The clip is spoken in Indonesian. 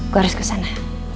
gua harus kesana